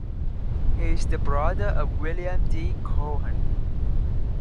He is the brother of William D. Cohan.